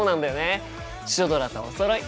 シュドラとおそろい！